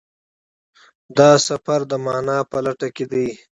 دا سفر د مانا په لټه کې دی.